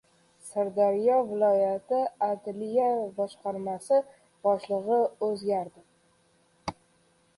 Sirdaryo viloyati adliya boshqarmasi boshlig‘i o‘zgardi